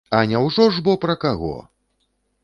А няўжо ж бо пра каго!